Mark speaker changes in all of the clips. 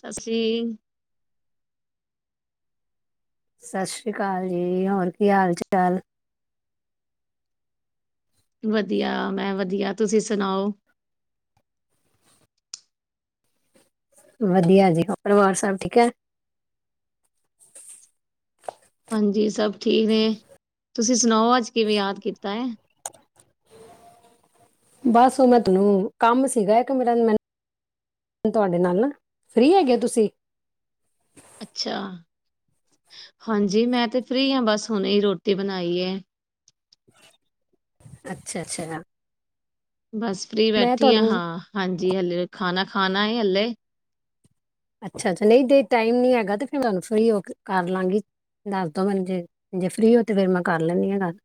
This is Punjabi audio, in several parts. Speaker 1: ਸਤਿ ਸ਼੍ਰੀ
Speaker 2: ਸਤਿ ਸ਼੍ਰੀ ਅਕਾਲ ਜੀ ਹੋਰ ਕੀ ਹਾਲ ਚਾਲ
Speaker 1: ਵਧੀਆ ਮੈਂ ਵਧੀਆ ਤੁਸੀਂ ਸੁਣਾਓ
Speaker 2: ਵਧੀਆ ਜੀ ਪਰਿਵਾਰ ਸਬ ਠੀਕ ਹੈ
Speaker 1: ਹਾਂਜੀ ਸਭ ਠੀਕ ਨੇ ਤੁਸੀਂ ਸੁਣਾਓ ਅੱਜ ਕਿਵੇਂ ਯਾਦ ਕੀਤਾ ਹੈ
Speaker 2: ਬਸ ਉਹਨਾ ਤੋ ਕੰਮ ਸੀਗਾ ਇੱਕ ਮੇਰਾ ਹੁਨ ਤੁਹਾਡੇ ਨਾਲ, ਫਰੀ ਹੋ ਗਏ ਤੁਸੀ?
Speaker 1: ਅੱਛਾ! ਹਾਂਜੀ, ਮੈਂ ਤੇ ਫ੍ਰਰੀ ਆਂ ਬਸ ਹੁਣੇ ਹੀ ਰੋਟੀ ਬਣਾਈ ਏ।
Speaker 2: ਅੱਛਾ ਅੱਛਾ
Speaker 1: ਬਸ ਫਰੀ
Speaker 2: ਮੈਂ
Speaker 1: ਬੈਠੀ ਹੋਈ
Speaker 2: ਤੁਹਾਨੂੰ
Speaker 1: ਹਾਂ, ਹਾਂਜੀ ਹਲੇ ਖਾਨਾ ਖਾਨਾ ਏ ਹਲੇ।
Speaker 2: ਅੱਛਾ ਅੱਛਾ, ਨਹੀਂ ਤੇ ਟਾਈਮ ਨੀ ਹੈਗਾ ਤੇ ਫਿਰ ਓਹਨਾਂ ਨੂੰ ਫ੍ਰੀ ਹੋ ਕੇ ਕਰ ਲਾਂਗੀ। ਦੱਸ ਦਿਓ ਹੁਨ ਜੇ, ਜੇ ਫਰੀ ਹੋਈ ਤੇ ਫੇਰ ਮੈਂ ਕਰ ਲੈਂਨੀਂ ਹੈ ਗੱਲ।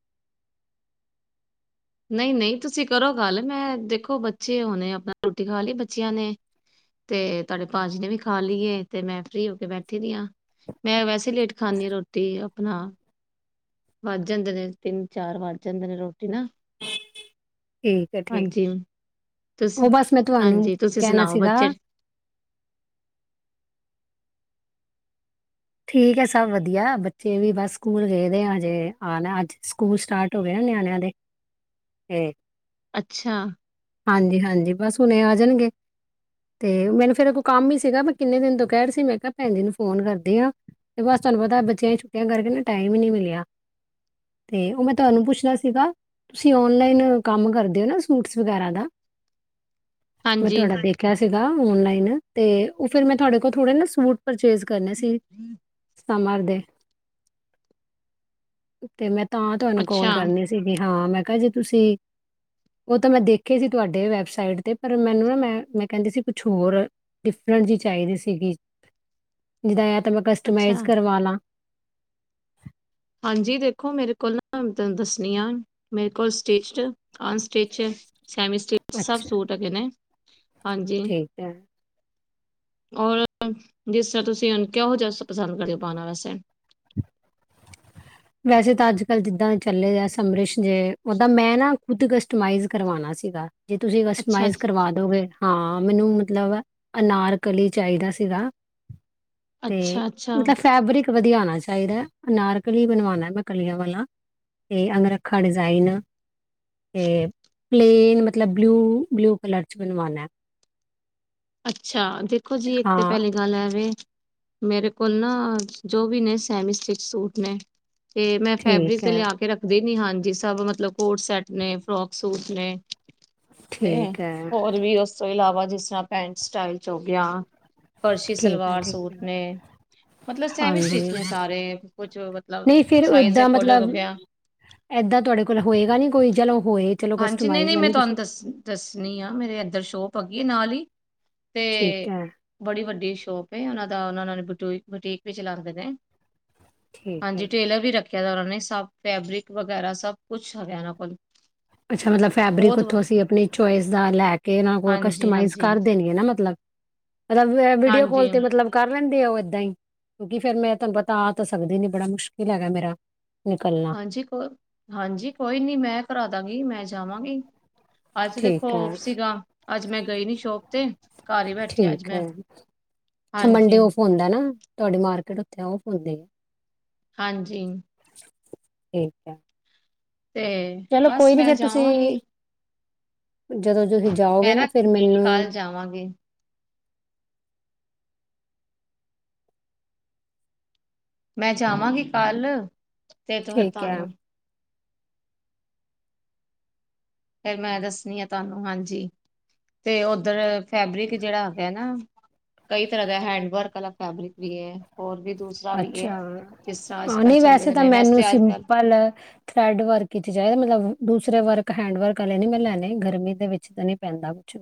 Speaker 1: ਨਹੀਂ ਨਹੀਂ ਤੁਸੀ ਕਰੋ ਗੱਲ, ਮੈਂ ਦੇਖੋ ਬੱਚੇ ਹੁਨੇ ਆਪਨਾ, ਰੋਟੀ ਖਾ ਲਈ ਬੱਚਿਆਂ ਨੇਂ। ਤੇ ਤੁਹਾਡੇ ਭਾਜੀ ਨੇ ਵੀ ਖਾ ਲਈ ਏ, ਤੇ ਮੈਂ ਫ੍ਰਰੀ ਹੋ ਕੇ ਬੈਠੀ ਦੀ ਆਂ। ਮੈਂ ਵੈਸੇ ਤੇ ਲੇਟ ਖਾਂਦੀ ਹਾਂ ਰੋਟੀ, ਆਪਨਾ। ਵਜ ਜਾਂਦੇ ਨੇਂ, ਤਿੰਨ ਚਾਰ ਵਜ ਜਾਂਦੇ ਰੋਟੀ ਨਾ [unintelligible]
Speaker 2: ਠੀਕ ਹੈ ਠੀਕ।
Speaker 1: ਹਾਂਜੀ
Speaker 2: ਉਹ
Speaker 1: ਤੁਸੀ,
Speaker 2: ਬਸ ਮੈਂ ਤੁਹਾਨੂੰ
Speaker 1: ਹਾਂਜੀ ਤੁਸੀ
Speaker 2: ਕਹਿਣਾ
Speaker 1: ਸੁਨਾਓ
Speaker 2: ਸੀਗਾ
Speaker 1: ਬੱਚੇ ਠੀ
Speaker 2: ਠੀਕ ਹੈ ਸਭ ਵਧੀਆ, ਬੱਚੇ ਵੀ ਬਸ ਸਕੂਲ ਗਏ ਦੇਆਂ ਹਜੇ ਆਨਾ ਹੈ। ਅੱਜ ਸਕੂਲ ਸਟਾਰਟ ਹੋ ਗਏ ਹੈ ਨਿਆਨਿਆਂ ਦੇ ਤੇ
Speaker 1: ਅੱਛਾ!
Speaker 2: ਹਾਂਜੀ ਹਾਂਜੀ ਬਸ ਹੁਣੇ ਹੀ ਆ ਜਾਨਗੇ। ਤੇ ਮੈਨੂੰ ਫੇਰ ਇਹ ਕੋਈ ਕੰਮ ਹੀ ਸੀਗਾ ਵਈ, ਕਿੰਨੇ ਦਿਨ ਤੋਂ ਕਹਿ ਰਹੀ ਸੀ। ਮੈਂ ਕਿਹਾ ਭੈਨ ਜੀ ਨੂੰ ਫੋਨ ਕਰਦੀ ਹਾਂ। ਤੇ ਬਸ ਤੁਹਾਨੂੰ ਪਤਾ ਹੈ, ਬੱਚਿਆ ਦੀ ਛੁੱਟੀਆਂ ਕਰਕੇ ਨਾ ਟਾਈਮ ਹੀ ਨਹੀਂ ਮਿਲਿਆ। ਤੇ ਉਹ ਮੈਂ ਤੁਹਾਨੂੰ ਪੁੱਛਨਾ ਸੀਗਾ, ਤੁਸੀ ਓਨਲਾਈਨ ਓਹ ਕੰਮ ਕਰਦੇ ਹੋ ਨਾ ਸੂਟ ਸ ਵਗੈਰਾ ਦਾ, ਮੈਂ
Speaker 1: ਹਾਂਜੀ
Speaker 2: ਤੁਹਾਡਾ ਦੇਖ ਖਿਆ ਸੀਗਾ ਔਨਲਾਈਨ, ਤੇ ਉਹ ਫਿਰ ਮੈਂ ਤੁਹਾਡੇ ਕੋਲ ਥੋੜੇ ਨਾ ਸੂਟ ਪਰਚੇਜ ਕਰਨੇ ਸੀ, ਸਮਰ ਦੇ। ਤੇ ਮੈਂ ਤਾਂ ਤੁਹਾਨੂੰ ਕੋਲ
Speaker 1: ਅੱਛਾ
Speaker 2: ਕਰਨੀ ਸੀ, ਬਈ ਹਾਂ ਮੈਂ ਕਿਹਾ ਜੇ ਤੁਸੀ ਤੇ ਮੈਂ ਦੇਖੇ ਸੀ ਤੁਹਾਡੇ ਵੈਬਸਾਈਟ ਤੇ, ਪਰ ਮੈਨੂੰ ਨਾ, ਮੈਂ ਮੈਂ ਕਹਿੰਦੀ ਸੀ ਕੁਛ ਹੋਰ ਡਿਫਰੈਂਟ ਜਿਹੀ ਚਾਹੀਦੀ ਸੀਗੀ।
Speaker 1: [inaudible]
Speaker 2: ਜਿੱਦਾ ਇਹ ਤਾ ਮੈਂ ਕਸਟਮਾਈਜ਼
Speaker 1: ਅੱਛਾ
Speaker 2: ਕਰਵਾ ਲਾਂ।
Speaker 1: ਹਾਂਜੀ ਦੇਖੋ ਮੇਰੇ ਕੋਲ ਨਾ ਦ ਦੱਸਨੀਆਂ, ਮੇਰੇ ਕੋਲ ਸਟੀਚਟ ਅਨਸਟਿਚ, ਸੈਮੀ ਸਟਿਚ,
Speaker 2: ਅੱਛਾ
Speaker 1: ਸਭ ਸੂਟ ਹੈਗੇ ਨੇਂ। ਹਾਂਜੀ!
Speaker 2: ਠੀਕ ਹੈ,
Speaker 1: ਔਰ ਜਿਸ ਤਰਾ ਤੁਸੀ, ਕਿਹੋ ਜਿਹਾ ਇਹ ਸਭ ਪਸੰਦ ਕਰਦੇ ਹੋ ਪਾਓਨਾ ਵੈਸੇ?
Speaker 2: ਵੈਸੇ ਤਾਂ ਅੱਜ ਕੱਲ ਜਿੱਦਾਂ ਦੇ ਚੱਲੇ ਆ ਸਮਰਿਸ਼ ਜੇ ਓਦਾਂ ਮੈਂ ਨਾ ਖੁੱਦ ਕਸਟਮਾਈਜ਼ ਕਰਵਾਉਣਾ ਸੀਗਾ ਜੇ ਤੁਸੀਂ
Speaker 1: ਅੱਛਾ
Speaker 2: ਕਸਟਮਾਈਜ਼
Speaker 1: ਜੀ,
Speaker 2: ਕਰਵਾ ਦੋਗੇ ਹਾਂ ਮੈਨੂੰ ਮਤਲਬ ਅਨਾਰਕਲੀ ਚਾਹੀਦਾ ਸੀਗਾ ਤੇ
Speaker 1: ਅੱਛਾ ਅੱਛਾ
Speaker 2: ਮਤਲਬ ਫੈਬਰਿਕ ਵਧੀਆ ਹੋਣਾ ਚਾਹੀਦਾ ਅਨਾਰਕਲੀ ਬਣਵਾ। ਮੈਂ ਕਲੀਆਂ ਵਾਲਾ ਤੇ ਅੰਗਰੱਖਾ ਡਿਜ਼ਾਇਨ ਅਤੇ ਪਲੇਨ ਮਤਲਬ ਬਲਿਊ ਬਲਿਊ ਕਲਰ 'ਚ ਬਣਵਾਉਣਾ
Speaker 1: ਅੱਛਾ ਦੇਖੋ ਜੀ ਇੱਕ ਤੇ
Speaker 2: ਹਾਂ,
Speaker 1: ਪਹਿਲੇ ਗੱਲ ਐਵੇ ਮੇਰੇ ਕੋਲ ਨਾ ਜੋ ਵੀ ਨੇ ਸੈਮੀ ਸਟਿਚ ਸੂਟ ਨੇ ਤੇ ਮੈਂ ਫੈਬਰਿਕ
Speaker 2: ਠੀਕ
Speaker 1: ਤੇ
Speaker 2: ਹੈ,
Speaker 1: ਲਿਆ ਕੇ ਰੱਖਦੀ ਨੀ ਹਾਂ ਜੀ ਸਭ ਮਤਲਬ ਕੋਟ ਸੈਟ ਨੇ ਫਰੋਕ ਸੂਟ ਨੇ ਤੇ
Speaker 2: ਠੀਕ ਹੈ,
Speaker 1: ਹੋਰ ਵੀ ਉਸ ਤੋਂ ਇਲਾਵਾ ਜਿਸ ਤਰ੍ਹਾਂ ਪੈਂਟ ਸਟਾਈਲ ਚ ਹੋ ਗਿਆ ਫਰਸ਼ੀ
Speaker 2: ਠੀਕ ਹੈ,
Speaker 1: ਸਲਵਾਰ
Speaker 2: ਠੀਕ
Speaker 1: ਸੂਟ
Speaker 2: ਹੈ,
Speaker 1: ਨੇ ਮਤਲਬ ਸੈਮ ਹੀ
Speaker 2: ਹਾਂਜੀ।
Speaker 1: ਸਟਿਚ ਨੇ ਸਾਰੇ ਕੁਛ ਮਤਲਬ
Speaker 2: ਨਹੀਂ ਫਿਰ
Speaker 1: ਸਾਈਜ਼
Speaker 2: ਏਦਾਂ
Speaker 1: ਅਕੋਡਿੰਗ ਹੋ
Speaker 2: ਮਤਲਬ
Speaker 1: ਗਿਆ।
Speaker 2: ਏਦਾਂ ਤੁਹਾਡੇ ਕੋਲ ਹੋਏਗਾ ਨੀ ਕੋਈ ਚਲੋ ਹੋਏ। ਚਲੋ
Speaker 1: ਹਾਂਜੀ,
Speaker 2: ਕਸਟਮਾਈਜ਼
Speaker 1: ਨਹੀਂ-ਨਹੀਂ
Speaker 2: ਦਾ
Speaker 1: ਮੈਂ
Speaker 2: ਨਹੀਂ
Speaker 1: ਤੁਹਾਨੂੰ
Speaker 2: ਤੁਸੀਂ
Speaker 1: ਦੱਸ ਨੀਆ, ਮੇਰੇ ਇੱਦਰ ਸ਼ੋਪ ਹੈਗੀ ਐ ਨਾਲ ਹੀ, ਤੇ
Speaker 2: ਠੀਕ ਹੈ
Speaker 1: ਬੜੀ ਵੱਡੀ ਸ਼ੋਪ ਏ ਉਹਨਾਂ ਦਾ, ਓਹ ਨਾ ਨਾਲੇ ਬੁਟੀਕ-ਬੁਟੀਕ ਵੀ ਚਲਾਂਦੇ ਨੇ।
Speaker 2: ਠੀਕ ਹੈ
Speaker 1: ਹਾਂਜੀ! ਟੇਲਰ ਵੀ ਰੱਖਿਆ ਹੋਇਆ ਓਹਨਾ ਨੇਂ, ਸਭ ਫੈਬਰਿਕ ਵਗੈਰਾ, ਸਭ ਕੁਛ [unintelligible]
Speaker 2: ਅੱਛਾ ਮਤਲਬ ਫੈਬਰਿਕ
Speaker 1: ਬਹੁਤ
Speaker 2: ਉੱਥੋਂ ਅਸੀ ਆਪਣੀ ਚੋਇਸ ਦਾ ਲੈ ਕੇ ਓਹਨਾਂ ਕੋਲ,
Speaker 1: ਹਾਂਜੀ
Speaker 2: ਕਸਟਮਾਈਜ਼
Speaker 1: ਹਾਂਜੀ
Speaker 2: ਕਰ ਦੇਨਗੇ ਨਾ ਮਤਲਬ। ਐ ਵੀਡੀਓ ਕਾਲ
Speaker 1: ਹਾਂਜੀ
Speaker 2: ਤੇ ਮਤਲਬ ਕਰ ਲੈਂਦੇ ਆ ਉਹ ਏਦਾਂ ਈ। ਕਿਉਂਕਿ ਫੇਰ ਮੈਂ ਤੁਹਾਨੂੰ ਪਤਾ ਆ ਤਾਂ ਸਕਦੀ ਨੀ ਬੜਾ ਮੁਸ਼ਕਿਲ ਹੈਗਾ ਮੇਰਾ ਨਿਕਲਣਾ।
Speaker 1: ਹਾਂਜੀ, ਕੋ ਹਾਂਜੀ ਕੋਈ ਨੀ ਮੈਂ ਕਰਾ ਦਾਂਗੀ ਮੈਂ ਜਾਵਾਂਗੀ। ਅੱਜ ਦੇਖੋ
Speaker 2: ਠੀਕ ਹੈ
Speaker 1: ਔਫ ਸੀਗਾ ਅੱਜ ਮੈਂ ਗਈ ਨੀ ਸ਼ੋਪ ਤੇ। ਘਰ ਹੀ ਬੈਠੀ ਅੱਜ
Speaker 2: ਠੀਕ
Speaker 1: ਮੈਂ
Speaker 2: ਐ, ਅੱਛਾ
Speaker 1: ਹਾਂਜੀ
Speaker 2: ਮੰਡੇ ਆਫ ਹੁੰਦਾ ਨਾ ਤੁਹਾਡੀ ਮਾਰਕੀਟ ਆਫ ਹੂੰਦੀ।
Speaker 1: ਹਾਂਜੀ,
Speaker 2: ਠੀਕ ਐ।
Speaker 1: ਤੇ
Speaker 2: ਚਲੋ
Speaker 1: ਬਸ
Speaker 2: ਕੋਈ ਨੀ
Speaker 1: ਮੈਂ
Speaker 2: ਫੇਰ ਤੁਸੀਂ
Speaker 1: ਜਾਵਾਂਗੀ
Speaker 2: ਜਦੋਂ ਤੁਸੀਂ ਜਾਓਗੇ ਨਾ ਫਿਰ ਮੈਨੂੰ
Speaker 1: ਜਾਵਾਂਗੇ। ਮੈਂ ਜਾਵਾਂਗੀ ਕੱਲ ਤੇ ਫਿਰ
Speaker 2: ਠੀਕ ਹੈ
Speaker 1: ਤੁਹਾਨੂੰ। ਫਿਰ ਮੈਂ ਦੱਸਣੀ ਆ ਤੁਹਾਨੂੰ ਹਾਂਜੀ। ਤੇ ਉੱਧਰ ਫੈਬਰਿਕ ਜਿਹੜਾ ਹੈਗਾ ਨਾ ਕਈ ਤਰ੍ਹਾਂ ਦਾ ਹੈਂਡ ਵਰਕ ਆਲਾ ਫੈਬਰਿਕ ਵੀ ਐ ਹੋਰ ਵੀ ਦੂਸਰੇ
Speaker 2: ਅੱਛਾ ਹਾਂ, ਨਹੀਂ ਵੈਸੇ
Speaker 1: ਦੇ
Speaker 2: ਤਾਂ
Speaker 1: ਨੇ
Speaker 2: ਮੈਨੂੰ
Speaker 1: ਵੈਸੇ ਅੱਜ ਕੱਲ
Speaker 2: ਸਿੰਪਲ ਥਰੈਡ ਵਰਕ ਕੀਤੀ ਜਾਏ ਮਤਲਬ ਦੂਸਰੇ ਵਰਕ ਹੈਂਡ ਵਰਕ ਵਾਲੇ ਨਹੀਂ ਮੈਂ ਲੈਣੇ ਗਰਮੀ ਦੇ ਵਿੱਚ ਤਾਂ ਨਹੀਂ ਪੈਂਦਾ ਕੁਛ।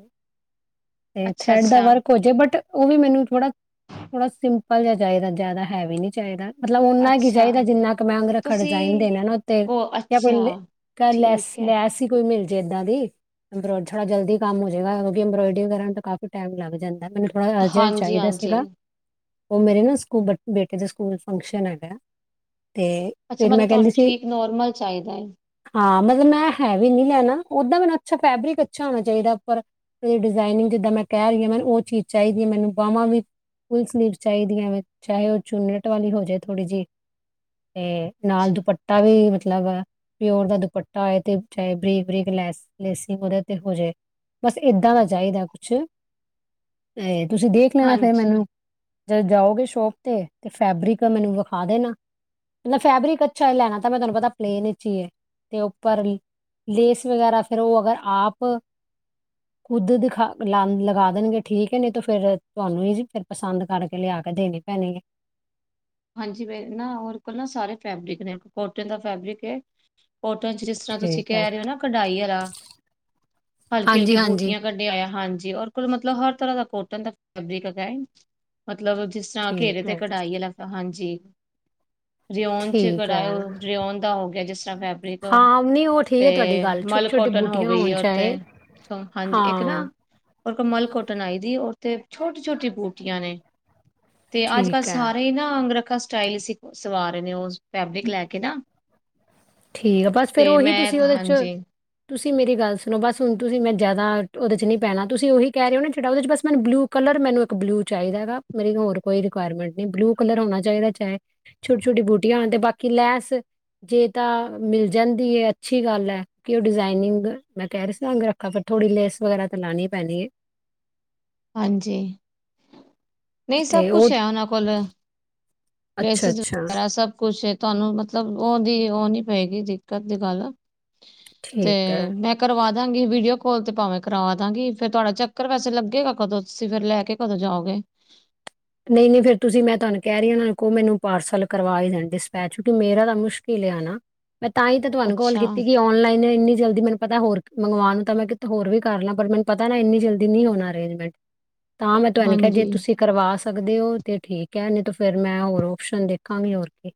Speaker 2: ਤੇ
Speaker 1: ਅੱਛਾ
Speaker 2: ਥਰੈਡ ਦਾ
Speaker 1: ਅੱਛਾ
Speaker 2: ਵਰਕ ਹੋਜੇ ਬਟ ਉਹ ਵੀ ਮੈਨੂੰ ਥੋੜ੍ਹਾ ਥੋੜਾ ਸਿੰਪਲ ਜਾ ਚਾਹੀਦਾ ਜ਼ਿਆਦਾ ਹੈਵੀ ਨੀ ਚਾਹੀਦਾ। ਮਤਲਬ ਓਨਾ ਕੀ
Speaker 1: ਅੱਛਾ
Speaker 2: ਚਾਹੀਦਾ ਜਿੰਨਾ ਕੁ ਮੈਂ ਅੰਗਰ ਖੜ ਡਿਜ਼ਾਈਨ
Speaker 1: ਤੁਸੀਂ
Speaker 2: ਦੇਣਾ ਨਾ ਉੱਤੇ
Speaker 1: ਕੋ ਅੱਛਾ
Speaker 2: [unintelligible] ਲੈਸ
Speaker 1: ਠੀਕ ਹੈ
Speaker 2: ਲੈਸ ਈ ਕੋਈ ਮਿਲ ਜੇ ਇੱਦਾਂ ਦੀ। ਥੋੜਾ ਜਲਦੀ ਕੰਮ ਹੋਜਾਗਾ ਅੰਬੋਇਡਰੀ ਕਰਨ ਤੋਂ ਕਾਫੀ ਟਾਈਮ ਲੱਗ ਜਾਂਦਾ ਮੈਨੂੰ ਥੋੜਾ ਅਰਜੰਟ
Speaker 1: ਹਾਂਜੀ
Speaker 2: ਚਾਹੀਦਾ ਸੀਗਾ।
Speaker 1: ਹਾਂਜੀ
Speaker 2: ਉਹ ਮੇਰੇ ਨਾ ਸਕੂ ਬੇਟੇ ਦੇ ਸਕੂਲ ਫੰਕਸ਼ਨ ਹੈਗਾ। ਤੇ
Speaker 1: ਅੱਛਾ,
Speaker 2: ਫਿਰ
Speaker 1: ਮਤਲਬ
Speaker 2: ਮੈਂ ਕਹਿੰਦੀ
Speaker 1: ਤੁਹਾਨੂੰ
Speaker 2: ਸੀ
Speaker 1: ਠੀਕ ਨੋਰਮਲ ਚਾਹੀਦਾ।
Speaker 2: ਹਾਂ, ਮਤਲਬ ਮੈਂ ਹੈਵੀ ਨੀ ਲੈਣਾ ਉਹਦਾ ਮੈਨੂੰ ਅੱਛਾ ਫੈਬਰਿਕ ਅੱਛਾ ਹੋਣਾ ਚਾਹੀਦਾ ਉੱਪਰ ਉਹਦੀ ਡਿਜ਼ਾਇਨਿੰਗ ਜਿੱਦਾਂ ਮੈਂ ਕਹਿ ਰਹੀ ਆ ਮੈਨੂੰ ਉਹ ਚੀਜ਼ ਚਾਹੀਦੀ ਐ ਮੈਨੂੰ ਬਾਹਵਾਂ ਵੀ ਫੁੱਲ ਸਲਿੱਬ ਚਾਹੀਦੀਆਂ ਵੈ। ਚਾਹੇ ਉਹ ਚੂਨਟ ਵਾਲੀ ਹੋਜੇ ਥੋੜ੍ਹੀ ਜੀ ਤੇ ਨਾਲ
Speaker 1: ਅੱਛਾ।
Speaker 2: ਦੁਪੱਟ ਤਾਂ ਵੀ ਮਤਲਬ ਪਿਓਰ ਦਾ ਦੁਪੱਟਾ ਆਏ ਤੇ ਚ ਬਰੀਕ ਬਰੀਕ ਲੈਸ ਲੈਸੀ ਓਹਦੇ ਤੇ ਹੋਜੇ। ਬਸ ਏਦਾਂ ਦਾ ਚਾਹੀਦਾ ਕੁਛ ਅ ਤੁਸੀਂ ਦੇਖ ਦੇਖ ਲੈਣਾ ਫੇਰ
Speaker 1: ਹਾਂਜੀ,
Speaker 2: ਮੈਨੂੰ ਜਦ ਜਾਓਗੇ ਸ਼ੋਪ ਤੇ ਤੇ ਫੈਬਰਿਕ ਮੈਨੂੰ ਵਿਖਾ ਦੇਣਾ। ਫੈਬਰਿਕ ਅੱਛਾ ਲੈਣਾ ਤਾਂ ਮੈਂ ਤੁਹਾਨੂੰ ਪਤਾ ਪਲੇਨ ਵਿੱਚੀ ਏ ਤੇ ਉੱਪਰ ਲੇਸ ਵਗੈਰਾ ਫੇਰ ਉਹ ਅਗਰ ਆਪ
Speaker 1: [inaudible]
Speaker 2: ਖੁੱਦ ਦਿਖਾ ਲਾ ਲਗਾ ਦੇਣਗੇ ਠੀਕ ਐ ਨਹੀਂ ਤਾਂ ਫਿਰ ਤੁਹਾਨੂੰ ਹੀ ਜੀ ਫਿਰ ਪਸੰਦ ਕਰਕੇ ਲਿਆ ਕੇ ਦੇਣੀ। [unintelligible] ੈ
Speaker 1: [unintelligible] ਕੋਲ ਨਾ ਸਾਰੇ ਫੈਬਰਿਕ ਨੇ ਕੋਟਨ ਦਾ ਫੈਬਰਿਕ ਐ ਕੋਟਨ ਚ। ਜਿਸ ਤਰ੍ਹਾਂ ਤੁਸੀਂ
Speaker 2: ਠੀਕ ਹੈ
Speaker 1: ਕਹਿ ਰਹੇ ਹੋ ਨਾ ਕਢਾਈ ਆਲਾ ਹਲਕੀ ਹਲਕੀ
Speaker 2: ਹਾਂਜੀ ਹਾਂਜੀ
Speaker 1: ਬੂਟੀਆਂ ਆਇਆ ਹਾਂਜੀ ਔਰ ਕੋਈ ਮਤਲਬ ਹਰ ਤਰ੍ਹਾਂ ਦਾ ਕੋਟਨ ਦਾ ਫੈਬਰਿਕ ਹੈਗਾ ਮਤਲਬ ਜਿਸ ਜਾਂ ਘੇਰੇ
Speaker 2: ਠੀਕ
Speaker 1: ਤੇ
Speaker 2: ਹੈ
Speaker 1: ਕਢਾਈ ਆ ਹਾਂਜੀ। ਰਿਓਨ ਚ
Speaker 2: ਠੀਕ ਹੈ
Speaker 1: ਕਰਾਓ ਰਿਓਨ ਦਾ ਹੋ ਗਿਆ ਜਿਸ ਤਰ੍ਹਾਂ ਫੈਬਰਿਕ।
Speaker 2: ਹਾਂ ਨਹੀਂ ਉਹ ਠੀਕ ਹੈ ਤੁਹਾਡੀ
Speaker 1: ਤੇ
Speaker 2: ਗੱਲ ਛੋਟੀ ਛੋਟੀ
Speaker 1: ਮਲਕੋਟਨ ਹੋ
Speaker 2: ਬੂਟੀਆਂ
Speaker 1: ਗਈ
Speaker 2: ਹੋਣ
Speaker 1: ਆ ਉੱਥੇ,
Speaker 2: ਚਾਹੇ
Speaker 1: ਹਾਂਜੀ ਇੱਕ ਨਾ
Speaker 2: ਹਾਂ
Speaker 1: ਪਰ ਕਮਲ ਕੋਟਨ ਆਈ ਦੀ, ਉਤੇ ਛੋਟੀ ਛੋਟੀ ਬੂਟੀਆਂ ਨੇ, ਤੇ ਅੱਜ ਕੱਲ੍ਹ
Speaker 2: ਠੀਕ ਹੈ
Speaker 1: ਸਾਰੇ ਨਾ ਅੰਗ ਰੱਖਾ ਸਟਾਈਲ ਸੀਂ, ਸਵਾ ਰਹੇ ਨੇ, ਉਹ ਫੈਬਰਿਕ ਲੈ ਕੇ ਨਾ
Speaker 2: ਠੀਕ ਆ ਬਸ ਫਿਰ
Speaker 1: ਤੇ
Speaker 2: ਉਹੀ,
Speaker 1: ਮੈਂ
Speaker 2: ਤੁਸੀਂ ਉਹਦੇ ਚ
Speaker 1: ਹਾਂਜੀ
Speaker 2: ਤੁਸੀਂ ਮੇਰੀ ਗੱਲ ਸੁਣੋ, ਬਸ ਹੁਣ ਤੁਸੀਂ ਮੈਂ ਜਿਆਦਾ ਉਹਦੇ ਚ ਨ ਨਹੀਂ ਪੈਣਾ ਤੁਸੀ ਉਹੀ ਕਹ ਰਹੇ ਹੋ ਨਾ, ਜੇੜਾ ਉਹਦੇ ਚ ਮੈਨੂੰ ਬਲੂ ਕਲਰ ਮੈਨੂੰ ਇੱਕ ਬਲੂ ਚਾਹੀਦਾ ਹੈਗਾ, ਮੇਰੀ ਹੋਰ ਕੋਈ ਰਿਕੁਇਰਮੈਂਟ ਨਹੀ, ਬਲੂ ਕਲਰ ਹੋਣਾ ਚਾਹੀਦਾ, ਚਾਹੇ ਛੋਟੀ ਛੋਟੀ ਬੂਟੀਆਂ ਹੋਣ, ਤੇ ਬਾਕੀ ਲੈਸ ਜੇ ਤਾਂ ਮਿਲ ਜਾਂਦੀ ਹੈ, ਅੱਛੀ ਗੱਲ ਹੈ, ਕਿ ਉਹ ਡਿਜ਼ਾਇਨਿੰਗ ਮੈਂ ਕਹਿ ਸਾਂ, ਅਗਰ ਤਾਂ ਫਿਰ, ਥੋੜ੍ਹੀ ਲੈਸ ਵਗੈਰਾ ਤਾਂ ਲਾਣੀ ਪੈਣੀ ਹੈ।
Speaker 1: ਹਾਂਜੀ ਨਹੀਂ ਸਭ
Speaker 2: ਤੇ ਉਹ
Speaker 1: ਕੁਛ ਹੈ, ਉਹਨਾਂ ਕੋਲ
Speaker 2: ਅੱਛਾ
Speaker 1: ਲੇਸਿਸ
Speaker 2: ਅੱਛਾ
Speaker 1: ਵਗੈਰਾ, ਸਭ ਕੁਛ ਹੈ। ਤੁਹਾਨੂੰ ਮਤਲਬ ਉਹਦੀ ਉਹ ਨੀ ਪਏਗੀ, ਦਿੱਕਤ ਦੀ ਗੱਲ, ਤੇ
Speaker 2: ਠੀਕ ਹੈ
Speaker 1: ਮੈਂ ਕਰਵਾ ਦਾਂਗੀ, ਵੀਡੀਓ ਕਾਲ ਤੇ ਭਾਵੇਂ ਕਰਵਾ ਦਾਂਗੀ, ਫੇਰ ਤੁਹਾਡਾ ਚੱਕਰ ਵੈਸੇ ਲੱਗੇਗਾ ਕਦੋਂ, ਤੁਸੀਂ ਫਿਰ ਲੈ ਕੇ ਕਦੋਂ ਜਾਓਗੇ।
Speaker 2: ਨਹੀਂ ਨਹੀਂ ਫਿਰ ਤੁਸੀਂ ਮੈਂ ਤੁਹਾਨ ਕਹਿ ਰਹੀ ਹ ਉਹਨਾਂ ਨੂੰ ਕੋੋ ਮੈਨੂੰ ਪਾਰਸਲ ਕਰਵਾ ਹੀ ਦੇਣਾ, ਡਿਸਪੈਚ ਕਿਉਂਕਿ ਮੇਰਾ ਤਾਂ ਮੁਸ਼ਕ ਲਿਆਣਾ, ਮੈਂ ਤਾਂ ਹੀ ਤਾਂ ਤੁਹਾਨੂੰ ਕਾਲ
Speaker 1: ਅੱਛਾ
Speaker 2: ਕੀਤੀ ਕਿ ਔਨਲਾਈਨ ਇੰਨੀ ਜਲਦੀ ਮੈਨੂੰ ਪਤਾ ਹੋਰ ਮੰਗਵਾਉਣ ਤਾਂ ਮੈਂ ਕਿਥ ਹੋਰ ਵੀ ਕਰ ਲਾਂ, ਪਰ ਮੈਨੂੰ ਪਤਾ ਨਾ ਇੰਨੀ ਜਲਦੀ ਨਹੀਂ ਹੋਣਾ ਅਰੇਂਜਮੈਂਟ।
Speaker 1: [inaudible]
Speaker 2: ਤਾਂ ਮੈਂ ਤੁਹਾਨੀ ਕਿਹਾ, ਜੇ
Speaker 1: ਹਾਂਜੀ
Speaker 2: ਤੁਸੀਂ ਕਰਵਾ ਸਕ ਸਕਦੇ ਹੋ, ਤੇ ਠੀਕ ਹੈ, ਨਹੀਂ ਤੇ ਫੇਰ ਮੈਂ ਹੋਰ ਓਪਸ਼ਨ ਦੇਖਾਂਗੀ, ਹੋਰ ਕੇ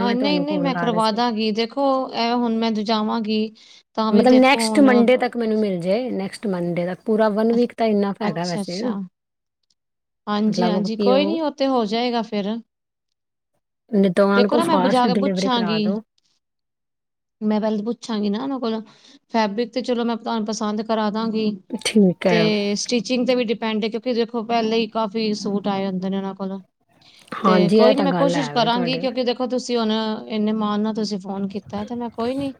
Speaker 1: ਹਾਂ ਨਹੀਂ ਨਹੀਂ ਮੈਂ
Speaker 2: ਕਰ ਰਹੀ
Speaker 1: ਕਰਵਾ
Speaker 2: ਸੀ
Speaker 1: ਦਾਂਗੀ, ਦੇਖੋ ਇਹ ਹੁਣ ਮੈਂ ਦ ਜਾਵਾਂਗੀ ਤਾਂ ਵੀ
Speaker 2: ਮਤਲਬ
Speaker 1: ਦੇਖੋ
Speaker 2: ਨੈਕਸਟ
Speaker 1: ਹੁਣ
Speaker 2: ਮੰਡੇ ਤੱਕ ਮੈਨੂੰ ਮਿਲ ਜਾਏ, ਨੈਕਸਟ ਮੰਡੇ ਤੱਕ ਪੂਰਾ ਵਨ ਵੀਕ, ਤਾਂ ਇੰਨਾ ਫਾਇਦਾ ਵੈਸੇ
Speaker 1: ਹਾਂਜੀ
Speaker 2: ਮਤਲਬ
Speaker 1: ਹਾਂਜੀ,
Speaker 2: ਕਿ
Speaker 1: ਕੋਈ
Speaker 2: ਉਹ
Speaker 1: ਨੀ ਉਥੇ ਹੋ ਜਾਏਗਾ ਫਿਰ
Speaker 2: ਨਹੀਂ ਤਾਂ ਉਹਨਾਂ ਨੂੰ
Speaker 1: ਦੇਖੋ
Speaker 2: ਕੋਈ
Speaker 1: ਨਾ, ਮੈਂ
Speaker 2: ਫਾਸਟ
Speaker 1: ਬਜਾ ਕੇ
Speaker 2: ਡਿਲੀਵਰੀ ਕਰਾ
Speaker 1: ਪੁੱਛਾਂਗੀ।
Speaker 2: ਦਿਓ
Speaker 1: ਮੈਂ ਪਹਿਲ ਤਾਂ ਪੁੱਛਾਂਗੀ ਨਾ ਉਹਨਾਂ ਕੋਲੋਂ, ਫੈਬਰਿਕ ਤੇ ਚਲੋ ਮੈਂ ਤੁਾਨ ਪਸੰਦ ਕਰਾ ਦਾਂਗੀ।
Speaker 2: ਮਿੱਠੀ ਏ
Speaker 1: ਤੇ ਸਟਿਚਿੰਗ ਤੇ ਵੀ ਡਿਪੈਂਡ ਹੈ, ਕਿਉਂਕਿ ਦੇਖੋ ਪਹਿਲੇ ਹੀ ਕਾਫ਼ੀ ਸੂਟ ਆਏ ਹੁੰਦੇ ਨੇ, ਉਹਨਾਂ ਕੋਲ ਤੇ
Speaker 2: ਹਾਂਜੀ ਇਹ
Speaker 1: ਕੋਈ ਨੀ
Speaker 2: ਤਾਂ
Speaker 1: ਮੈਂ
Speaker 2: ਗੱਲ
Speaker 1: ਕੋਸ਼ਿਸ਼
Speaker 2: ਹੈ ਵੇ
Speaker 1: ਕਰਾਂਗੀ,
Speaker 2: ਤੁਹਾਡੇ
Speaker 1: ਕਿਉਂਕਿ ਦੇਖੋ ਤੁਸੀਂ ਹੁਣ, ਇੰਨੇ ਮਾਣ ਨਾਲ ਤੁਸੀਂ ਫੋਨ ਕੀਤਾ, ਤੇ ਮੈਂ ਕੋਈ ਨੀ,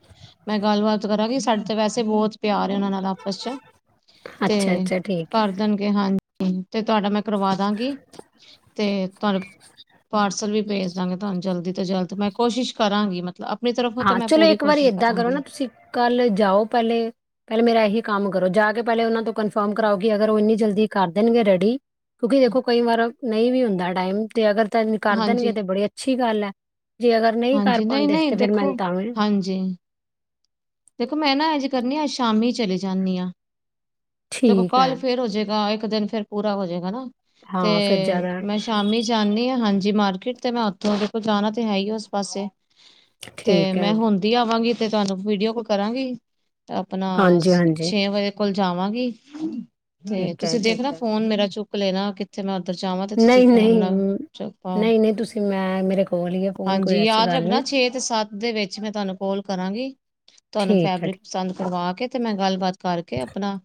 Speaker 1: ਮੈਂ ਗੱਲਬਾਤ ਕਰਾਂਗੀ, ਸਾਡੇ ਤੇ ਵੈਸੇ ਬਹੁਤ ਪਿਆਰ ਹੈ ਉਹਨਾਂ ਨਾਲ ਆਪਸ ਚ ਤੇ
Speaker 2: ਅੱਛਾ ਅੱਛਾ ਠੀਕ ਹੈ
Speaker 1: ਕਰ ਦੇਣਗੇ, ਹਾਂਜੀ, ਤੇ ਤੁਹਾਡਾ ਮੈਂ ਕਰਵਾ ਦਾਂਗੀ। ਤੇ ਤੁਹਾਡੇ ਪਾਰਸਲ ਵੀ ਭੇਜ ਦਾਂਗੀ ਤੁਹਾਨੂੰ ਜਲਦੀ ਤੋਂ ਜਲਦ, ਮੈਂ ਕੋਸ਼ਿਸ਼ ਕਰਾਂਗੀ, ਮਤਲ ਆਪਣੀ ਤਰਫੋਂ ਤਾਂ ਮੈਂ ਪੂਰੀ ਕੋਸ਼ਿਸ਼ ਕਰਾਂਗੀ।
Speaker 2: ਕੱਲ੍ਹ ਜਾਓ ਪਹਿਲੇ। ਪਹਿਲੇ ਮੇਰਾ ਇਹੀ ਕੰਮ ਕਰੋ, ਜਾ ਕੇ ਪਹਿਲੇ ਉਹਨਾਂ ਤੋਂ ਕਨਫਰਮ ਕਰਾਓ, ਕਿ ਅਗਰ ਉਹ ਇੰਨੀ ਜਲਦੀ ਕਰ ਦੇਣਗੇ ਰੈਡੀ। ਕਿਉਂਕਿ ਦੇਖੋ ਕਈ ਵਾਰ ਨਹੀਂ ਵੀ ਹੁੰਦਾ ਟਾਈਮ, ਤੇ ਅਗਰ ਤ ਕਰ ਦੇਣਗੇ
Speaker 1: ਹਾਂਜੀ
Speaker 2: ਤੇ ਬੜੀ ਅੱਛੀ ਗੱਲ ਹੈ। ਜੇ ਅਗਰ ਨਹੀਂ ਕਰ
Speaker 1: ਹਾਂਜੀ
Speaker 2: ਪਾਉਂਦੇ,
Speaker 1: ਨਹੀਂ
Speaker 2: ਤੇ ਫੇਰ
Speaker 1: ਦੇਖੋ
Speaker 2: ਮੈਨੂੰ ਤਾਂ ਵੀ
Speaker 1: ਹਾਂਜੀ ਦੇਖੋ ਮੈਂ ਨਾ ਇਜ ਕਰਨੀ ਆਂ, ਸ਼ਾਮੀ ਚਲੀ ਜਾਂਨੀ ਆਂ। ਦੇਖੋ
Speaker 2: ਠੀਕ
Speaker 1: ਕੱਲ
Speaker 2: ਹੈ
Speaker 1: ਫੇਰ ਹੋਜੇਗਾ, ਇੱਕ ਦਿਨ ਫੇਰ ਪੂਰਾ ਹੋ ਜਾਏਗਾ ਨਾ, ਤੇ
Speaker 2: ਹਾਂ ਫਿਰ ਜ਼ਿਆਦਾ
Speaker 1: ਮੈਂ ਸ਼ਾਮੀ ਜਾਂਨੀ ਆ, ਹਾਂਜੀ ਮਾਰਕੀਟ ਤੇ ਮੈਂ ਉੱਥੋਂ, ਦੇਖੋ ਮੈਂ ਜਾਣਾ ਤਾਂ ਹੈ ਹੀ ਐ, ਉਸ ਪਾਸੇ। ਤੇ
Speaker 2: ਠੀਕ ਹੈ
Speaker 1: ਮੈਂ ਹੁੰਣਦੀ ਆਵਾਂਗੀ, ਤੇ ਤੁਹਾਨੂੰ ਵੀਡੀਓ ਕੋਲ ਕਰਾਂਗੀ। ਤੇ ਆਪਣਾ,
Speaker 2: ਹਾਂਜੀ ਹਾਂਜੀ
Speaker 1: ਛੇ ਵਜੇ ਕੋਲ ਜਾਵਾਂਗੀ। ਤੇ
Speaker 2: ਠੀਕ ਹੈ
Speaker 1: ਤੁਸੀਂ
Speaker 2: ਠੀਕ
Speaker 1: ਦੇਖਣਾ,
Speaker 2: ਹੈ
Speaker 1: ਫੋਨ ਮੇਰਾ ਚੁੱਕ ਲੈਣਾ ਕਿ ਤੇ ਮੈਂ ਉੱਧਰ ਜਾਵਾਂ, ਤੇ ਤੁਸੀਂ
Speaker 2: ਨਹੀਂ
Speaker 1: ਫੋਨ
Speaker 2: ਨਹੀਂ
Speaker 1: ਨਾਲ
Speaker 2: ਮ-
Speaker 1: ਚ ਪਾਵ
Speaker 2: ਨਹੀਂ ਨਹੀਂ ਤੁਸੀਂ ਮੈਂ ਮੇਰੇ ਕੋਲ ਹੀ ਹੈ ਫੋਨ ਕੋਈ
Speaker 1: ਹਾਂਜੀ
Speaker 2: ਐਸੀ
Speaker 1: ਯਾਦ
Speaker 2: ਗੱਲ
Speaker 1: ਰੱਖਣਾ,
Speaker 2: ਨਹੀਂ
Speaker 1: ਛੇ ਅਤੇ ਸੱਤ ਦੇ ਵਿੱਚ ਮੈਂ ਤੁਹਾਨੂੰ ਕੋਲ ਕਰਾਂਗੀ। ਤੁਹਾਨੂੰ
Speaker 2: ਠੀਕ ਹੈ
Speaker 1: ਫੈਬਰਿਕ
Speaker 2: ਠੀਕ
Speaker 1: ਪਸੰਦ ਕਰਵਾ ਕੇ, ਤੇ ਮੈਂ ਗੱਲਬਾਤ ਕਰਕੇ ਆਪਣਾ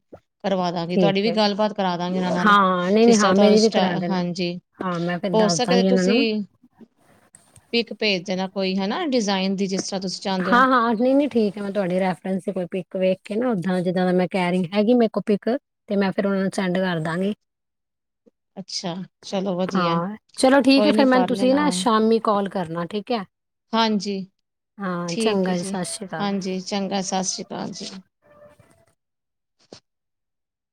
Speaker 1: ਕਰਵਾ ਦਾਂਗੀ,
Speaker 2: ਠੀਕ
Speaker 1: ਤੁਹਾਡੀ ਵੀ
Speaker 2: ਹੈ
Speaker 1: ਗੱਲਬਾਤ ਕਰਾ ਦਾਂਗੀ ਊਨਾ ਨਾਲ,
Speaker 2: ਹਾਂ ਨਹੀਂ ਨਹੀਂ
Speaker 1: ਜਿਸ ਤਰ੍ਹਾਂ
Speaker 2: ਹਾਂ
Speaker 1: ਤੁਹ
Speaker 2: ਮੇਰੀ ਵੀ
Speaker 1: ਸਟ
Speaker 2: ਕਰਾ ਦੇਣਾ
Speaker 1: ਹਾਂਜੀ।
Speaker 2: ਹਾਂ ਮੈਂ ਫਿਰ
Speaker 1: ਹੋ
Speaker 2: ਦੱਸ
Speaker 1: ਸਕੇ ਤੇ
Speaker 2: ਦਾਂਗੀ ਉਹਨਾਂ ਨੂੰ
Speaker 1: ਤੁਸੀਂ ਪਿਕ ਭੇਜ ਦੇਣਾ ਕੋਈ ਹਨਾ ਡਿਜ਼ਾਇਨ ਦੀ ਜਿਸ ਤਰ੍ਹਾਂ ਤੁਸੀਂ ਚਾਹੁੰਦੇ ਹੋ
Speaker 2: ਹਾਂ ਹਾਂ ਨਹੀ ਨਹੀ ਠੀਕ ਜਿਵੇ ਤੁਹਾਡੀ ਰੈਫਰਸ ਕੋਈ ਪਿਕ ਵੇਖ ਕੇ ਨਾ ਉਦਾਂ ਜਿੱਦਾਂ ਦਾ ਮੈਂ ਕਹਿ ਰਹੀ ਹੈਗੀ ਮੇ ਕੋ ਪਿਕ ਤੇ ਮੈਂ ਫਿਰ ਉਹਨਾਂ ਨੂੰ ਸੈਂਡ ਕਰ ਦਾਂਗੀ।
Speaker 1: [inaudible] ਅੱਛਾ ਚਲੋ ਵਧੀਆ
Speaker 2: ਹਾਂ ਚਲੋ ਠੀਕ ਹੈ
Speaker 1: ਕੋਈ
Speaker 2: ਫਿਰ
Speaker 1: ਨੀ
Speaker 2: ਮੈਨੂੰ
Speaker 1: ਕਰ ਲੈ
Speaker 2: ਤੁਸੀਂ ਨਾ
Speaker 1: ਨਾਲ
Speaker 2: ਸ਼ਾਮੀ ਕਾਲ ਕਰਨਾ ਠੀਕ ਹੈ
Speaker 1: ਹਾਂਜੀ
Speaker 2: ਹਾਂ
Speaker 1: ਠੀਕ ਹੈ
Speaker 2: ਚੰਗਾ
Speaker 1: ਜੀ
Speaker 2: ਸਤਿ ਸ਼੍ਰੀ ਅਕਾਲ
Speaker 1: ਹਾਂਜੀ ਚੰਗਾ ਸਤਿ ਸ੍ਰੀ ਅਕਾਲ ਜੀ।